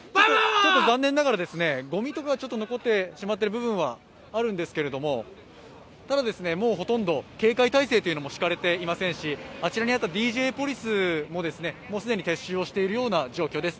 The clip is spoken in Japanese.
残念ながらごみとか残ってしまってる部分はあるんですけど、ただもうほとんど警戒態勢も敷かれていませんしあちらにあったＤＪポリスも既に撤収をしているような状況です。